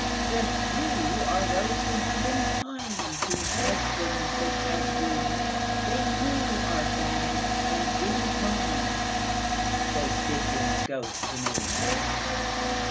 The few are those who have been kindTo husbands such as we; They knew our fads, and did n't mind,"Says Dibdin's ghost to me.